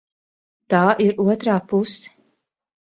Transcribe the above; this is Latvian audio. Tā ir otrā puse.